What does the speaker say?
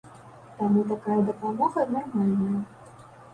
Таму такая дапамога нармальная.